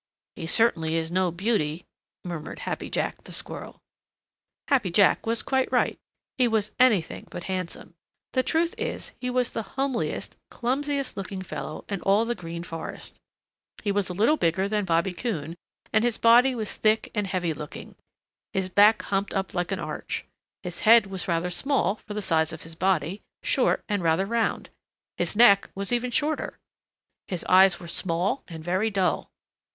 "He certainly is no beauty," murmured Happy Jack Squirrel. Happy Jack was quite right. He was anything but handsome. The truth is he was the homeliest, clumsiest looking fellow in all the Green Forest. He was a little bigger than Bobby Coon and his body was thick and heavy looking. His back humped up like an arch. His head was rather small for the size of his body, short and rather round. His neck was even shorter. His eyes were small and very dull.